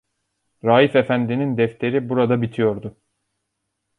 Raif efendinin defteri burada bitiyordu.